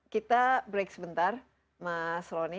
kita break sebentar mas roni